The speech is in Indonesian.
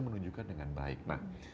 menunjukkan dengan baik nah